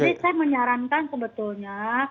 jadi saya menyarankan sebetulnya